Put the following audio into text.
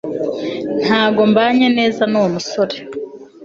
ntabwo mbanye neza nuwo musore